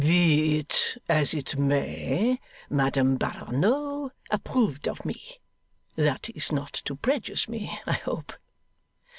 'Be it as it may, Madame Barronneau approved of me. That is not to prejudice me, I hope?